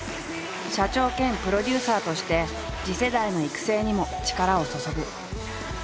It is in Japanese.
社長兼プロデューサーとして次世代の育成にも力を注ぐ。